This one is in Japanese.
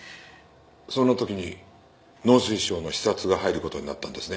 そんな時に農水省の視察が入る事になったんですね。